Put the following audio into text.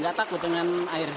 gak takut dengan airnya